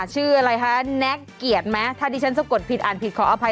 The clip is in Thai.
ชื่ออะไรคะแน็กเกียรติไหมถ้าดิฉันสะกดผิดอ่านผิดขออภัย